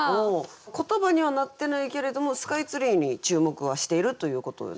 言葉にはなってないけれどもスカイツリーに注目はしているということよね。